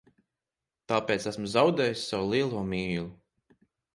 Tāpēc esmu zaudējis savu lielo mīlu.